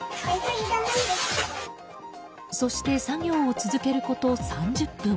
そして作業を続けること３０分。